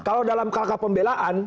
kalau dalam kakak pembelaan